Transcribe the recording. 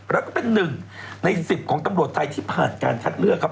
แล้วก็เป็น๑ใน๑๐ของตำรวจไทยที่ผ่านการคัดเลือกครับ